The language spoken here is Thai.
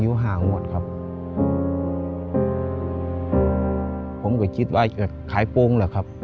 ว่าจะขายปรุงหรือครับ